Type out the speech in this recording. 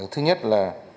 thứ nhất là